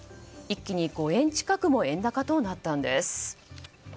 一気に５円近くも円高となったんです。